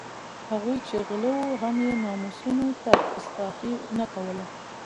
هغوی چې غله وو هم یې ناموسونو ته کستاخي نه کوله.